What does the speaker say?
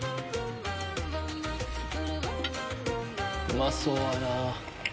うまそうやな。